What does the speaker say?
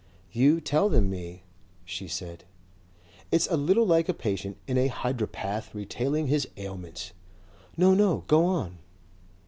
"You tell them me," she said. "It's a little like a patient in a hydropath retailing his ailments." "No. No. Go on."